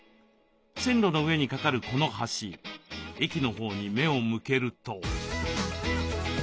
線路の上にかかるこの橋駅のほうに目を向けると。